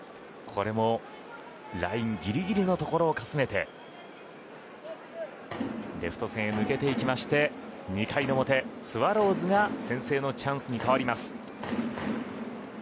これもラインぎりぎりの所をかすめてレフト線へ抜けていきまして２回の表、スワローズが先制のチャンスに変わります。